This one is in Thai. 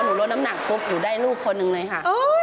ลดน้ำหนักปุ๊บหนูได้ลูกคนหนึ่งเลยค่ะ